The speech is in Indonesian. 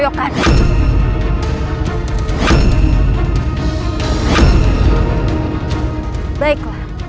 aku akan mencari kebaikanmu